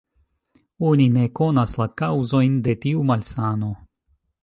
Oni ne konas la kaŭzojn de tiu malsano.